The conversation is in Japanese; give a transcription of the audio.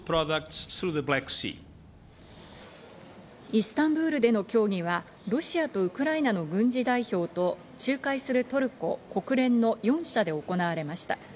イスタンブールでの協議はロシアとウクライナの軍事代表と仲介するトルコ、国連の４者で行われました。